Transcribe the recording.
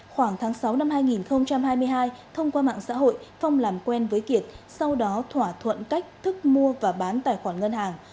khoảng tháng sáu năm hai nghìn hai mươi hai thông qua mạng xã hội phong làm quen với kiệt sau đó thỏa thuận cách thức mua và bán tài khoản ngân hàng